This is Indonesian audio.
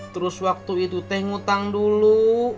terus waktu itu teh ngutang dulu